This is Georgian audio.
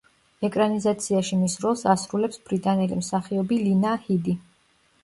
ეკრანიზაციაში მის როლს ასრულებს ბრიტანელი მსახიობი ლინა ჰიდი.